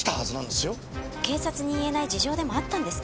警察に言えない事情でもあったんですか？